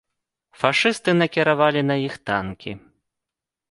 Фашысты накіравалі на іх танкі.